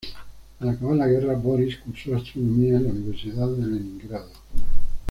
Al acabar la guerra, Borís cursó astronomía en la Universidad de Leningrado.